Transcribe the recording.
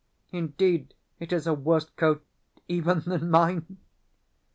Indeed it is a worse coat even than mine!